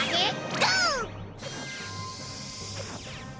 ゴー！